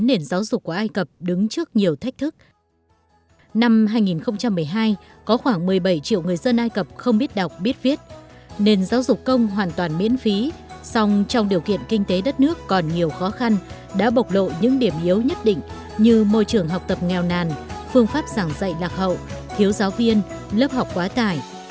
nền giáo dục công hoàn toàn miễn phí song trong điều kiện kinh tế đất nước còn nhiều khó khăn đã bộc lộ những điểm yếu nhất định như môi trường học tập nghèo nàn phương pháp giảng dạy lạc hậu thiếu giáo viên lớp học quá tải